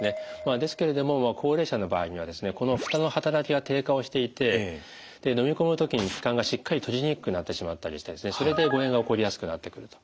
ですけれども高齢者の場合にはこのふたの働きが低下をしていて飲み込む時に気管がしっかり閉じにくくなってしまったりしてそれで誤えんが起こりやすくなってくると。